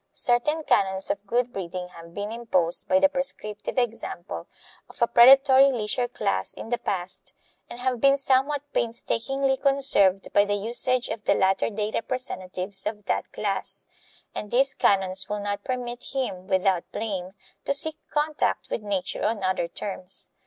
Certain canons of good breeding have been imposed by the prescriptive example of a predatory leisure class in the past and have been somewhat painstakingly conserved by the usage of the latter day representatives of that class; and these canons will not permit him, without blame, to seek contact with nature on other terms.